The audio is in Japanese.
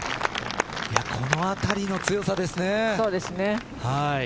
このあたりの強さですね。